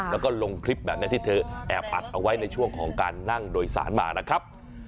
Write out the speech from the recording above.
แล้วก็ลงคลิปแบบนี้ที่เธอแอบอัดเอาไว้ในช่วงของการนั่งโดยสารมานะครับ